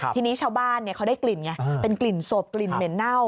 ทีนี้ชาวบ้านเขาได้กลิ่นไงเป็นกลิ่นศพกลิ่นเหม็นเน่า